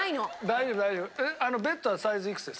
大丈夫大丈夫。